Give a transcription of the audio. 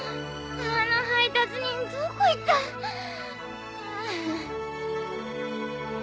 あの配達人どこ行った？ハァ。